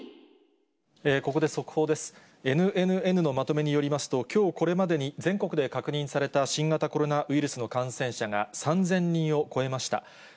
ＮＮＮのまとめによりますと、きょうこれまでに、全国で確認された新型コロナウイルスの感染者が３０００人を超えました。